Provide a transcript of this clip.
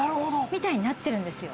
みたいになってるんですよ。